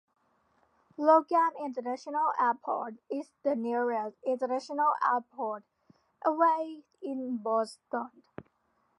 Logan International Airport is the nearest international airport, away in Boston.